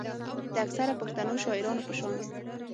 د اکثره پښتنو شاعرانو پۀ شان